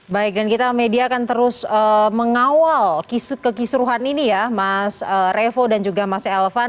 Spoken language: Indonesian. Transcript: baik dan kita media akan terus mengawal kekisruhan ini ya mas revo dan juga mas elvan